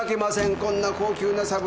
こんな高級なサブレー。